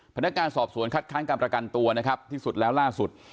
พนักงานสอบสวนคัดค้างการประกันตัวนะครับที่สุดแล้วล่าสุด